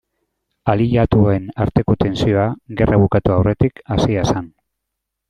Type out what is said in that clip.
Aliatuen arteko tentsioa gerra bukatu aurretik hasia zen.